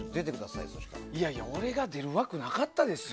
いやいや俺が出るわけないですよ。